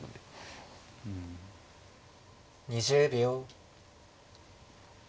２０秒。